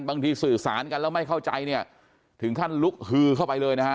สื่อสารกันแล้วไม่เข้าใจเนี่ยถึงขั้นลุกฮือเข้าไปเลยนะฮะ